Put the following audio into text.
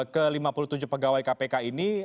ke lima puluh tujuh pegawai kpk ini